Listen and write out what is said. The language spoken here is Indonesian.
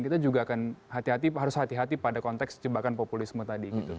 kita juga akan harus hati hati pada konteks jebakan populisme tadi